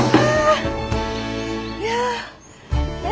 いや！え